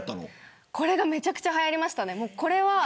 めちゃくちゃはやりましたね。